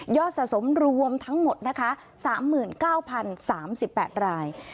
สะสมรวมทั้งหมดนะคะ๓๙๐๓๘ราย